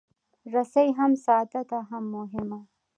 رسۍ هم ساده ده، هم مهمه.